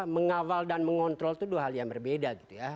mengawal dan mengontrol itu dua hal yang berbeda